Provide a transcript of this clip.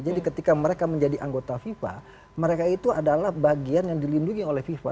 jadi ketika mereka menjadi anggota fifa mereka itu adalah bagian yang dilindungi oleh fifa